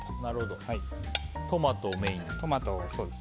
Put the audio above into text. トマトをメインに。